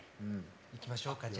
いきましょうかじゃあ。